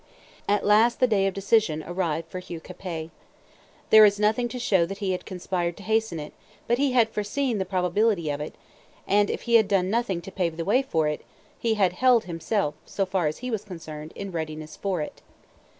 At last the day of decision arrived for Hugh Capet. There is nothing to show that he had conspired to hasten it, but he had foreseen the probability of it, and, if he had done nothing to pave the way for it, he had held himself, so far as he was concerned, in readiness for it.